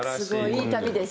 いい旅です。